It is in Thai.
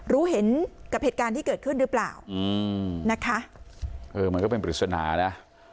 รู้เห็นกับเหตุการณ์ที่เกิดขึ้นหรือเปล่าอืมนะคะเออมันก็เป็นปริศนานะ